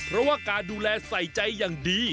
เพราะว่าการดูแลใส่ใจอย่างดี